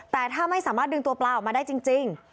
แต่ถ้าไม่สามารถดึงตัวปลาออกมาได้จริง